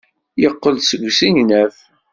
Yeqqel-d seg usegnaf.